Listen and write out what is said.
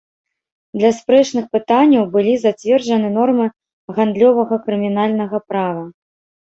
Для спрэчных пытанняў былі зацверджаны нормы гандлёвага крымінальнага права.